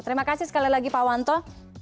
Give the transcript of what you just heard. terima kasih sekali lagi pak wanto